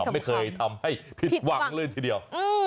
ไม่เคยทำให้ผิดหวังเลยทีเดียว